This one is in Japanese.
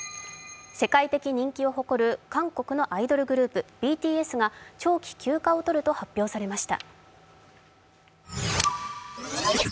世界的人気を誇る韓国のアイドルグループ・ＢＴＳが長期休暇を取ると発表されました。